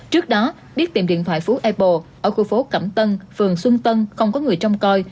trước đó biết tìm điện thoại phú apple ở khu phố cẩm tân phường xuân tân không có người trông coi